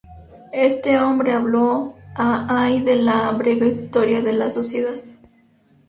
Este hombre habló a Hay de la breve historia de la Sociedad.